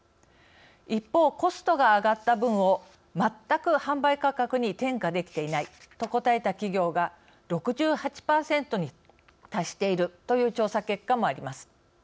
一方、コストが上がった分を全く販売価格に転嫁できていないと答えた企業が６８％に達しているという調査結果もあります。